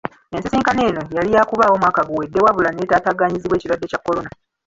Ensisinkano eno yali yaakubaawo mwaka guwedde wabula n'etaataganyizibwa ekirwadde kya kolona.